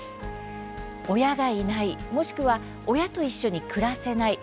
親がいないもしくは親と一緒に暮らせない。